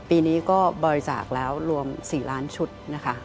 ปีนี้ก็บริจาคแล้วรวม๔ล้านชุดนะคะ